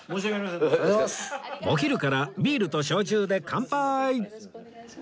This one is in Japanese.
お昼からビールと焼酎で乾杯！